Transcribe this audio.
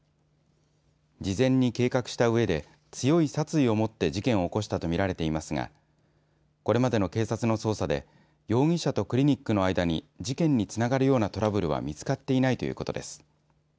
事前に計画したうえで強い殺意をもって事件を起こしたとみられていますがこれまでの警察の捜査で容疑者とクリニックの間に事件につながるようなトラブルは見つかっていないということです。